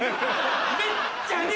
めっちゃね